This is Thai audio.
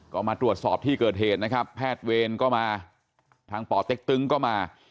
ก็มาตรวจสอบที่เกิดเหตุนะครับแพทย์เวรก็มาทางป่อเต็กตึงก็มา